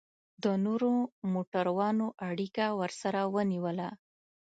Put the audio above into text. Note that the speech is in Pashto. د نورو موټرانو اړیکه ورسره ونیوله.